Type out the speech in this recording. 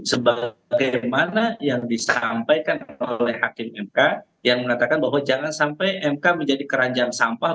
sebagaimana yang disampaikan oleh hakim mk yang mengatakan bahwa jangan sampai mk menjadi keranjang sampah